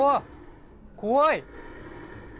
怖い。